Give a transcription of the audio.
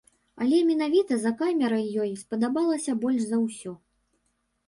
Але менавіта за камерай ёй спадабалася больш за ўсё.